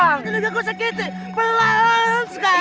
ini nggak usah kece pelan sekali